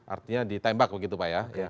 artinya ditembak begitu pak ya